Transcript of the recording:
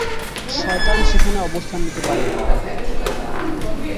শয়তান সেখানে অবস্থান নিতে পারে না।